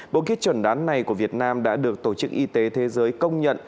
bộ kit chuẩn đoán này của việt nam đã được tổ chức y tế thế giới công nhận